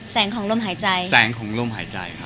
สังภาร์มลมหายใจ